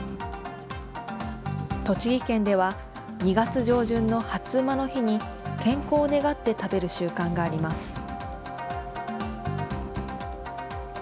栃木県では、２月上旬の初午の日に、健康を願って食べる習慣があります。